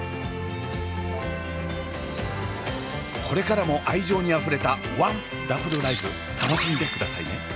これからも愛情にあふれたワンダフルライフ楽しんでくださいね。